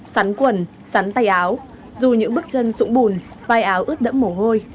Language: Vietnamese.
sắn quần sắn tay áo dù những bước chân sụn bùn vai áo ướt đẫm mổ hôi